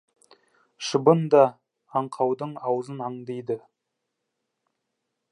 Шыбын да аңқаудың аузын аңдиды.